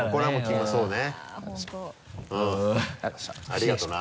ありがとうな。